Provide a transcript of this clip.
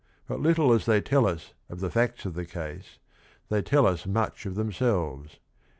But little as they tell us of the facts of the case, they tell us much of themselves.